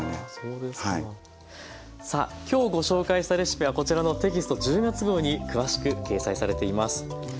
さあ今日ご紹介したレシピはこちらのテキスト１０月号に詳しく掲載されています。